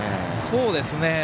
そうですね。